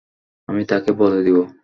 আমি তাকে বলে দিবো?